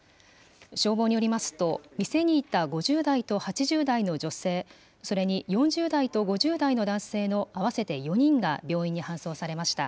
消防によりますと、店にいた５０代と８０代の女性、それに４０代と５０代の男性の合わせて４人が病院に搬送されました。